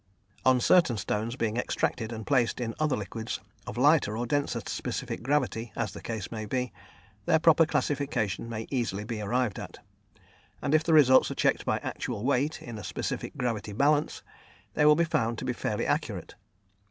On certain stones being extracted and placed in other liquids of lighter or denser specific gravity, as the case may be, their proper classification may easily be arrived at, and if the results are checked by actual weight, in a specific gravity balance, they will be found to be fairly accurate.